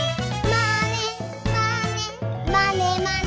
「まねまねまねまね」